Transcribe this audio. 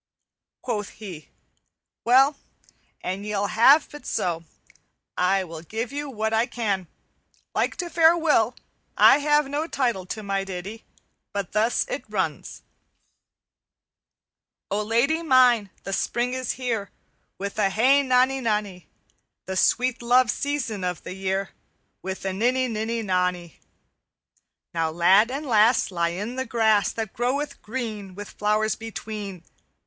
Quoth he, 'Well, an ye will ha' it so, I will give you what I can. Like to fair Will, I have no title to my ditty, but thus it runs: "_O Lady mine, the spring is here, With a hey nonny nonny; The sweet love season of the year, With a ninny ninny nonny; Now lad and lass Lie in the grass That groweth green With flowers between.